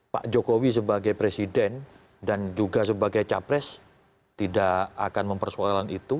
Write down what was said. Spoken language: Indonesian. pak jokowi sebagai presiden dan juga sebagai capres tidak akan mempersoalkan itu